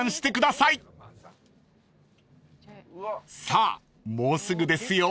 ［さあもうすぐですよ］